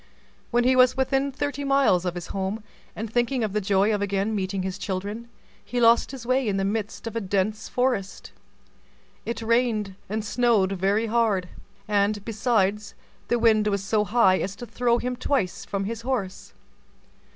When he was within thirty miles of his home, and thinking of the joy of again meeting his children, he lost his way in the midst of a dense forest. It rained and snowed very hard, and, besides, the wind was so high as to throw him twice from his horse.